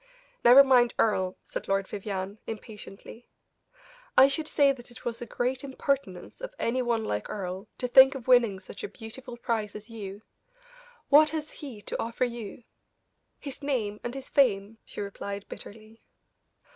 "Never mind Earle!" said Lord Vivianne, impatiently; "I should say that it was a great impertinence of any one like Earle to think of winning such a beautiful prize as you. What has he to offer you?" "His name and his fame," she replied, bitterly.